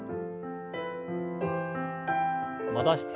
戻して。